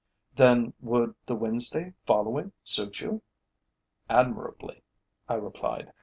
"Then would the Wednesday following suit you?" "Admirably," I replied.